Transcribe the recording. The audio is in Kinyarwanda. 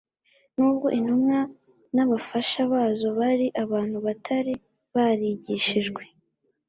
N'ubwo intumwa n'abafasha bazo bari abantu batari barigishijwe,